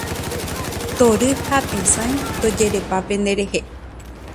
Tory ha tesãi tojerepa penderehe.